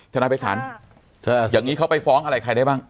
นายไปฉันอย่างนี้เขาไปฟ้องอะไรใครได้บ้าง